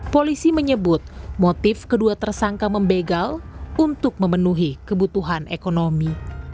polisi menyebut motif kedua tersangka membegal untuk memenuhi kebutuhan ekonomi